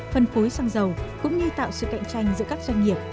phân phối xăng dầu cũng như tạo sự cạnh tranh giữa các doanh nghiệp